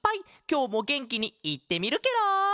きょうもげんきにいってみるケロ！